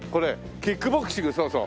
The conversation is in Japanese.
キックボクシングそうそう。